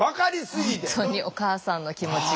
本当にお母さんの気持ちが。